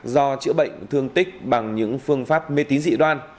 do chữa bệnh thương tích bằng những phương pháp mê tín dị đoan